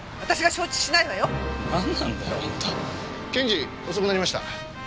検事遅くなりました。